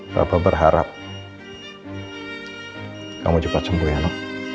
papa berharap kamu cepat sembuh ya